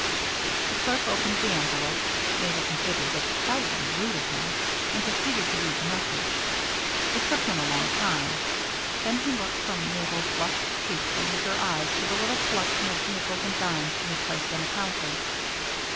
The clerk opened the envelope Mabel considered this decidedly rude of him and proceeded to read the message. It took him a long time. Then he looked from Mabel's flushed cheeks and eager eyes to the little collection of nickels and dimes she had placed on the counter.